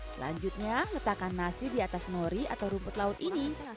selanjutnya letakkan nasi di atas nori atau rumput laut ini